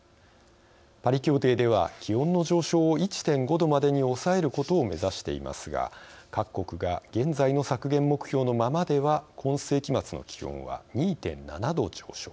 パリ協定では気温の上昇を１．５度までに抑えることを目指していますが各国が現在の削減目標のままでは今世紀末の気温は２．７度上昇。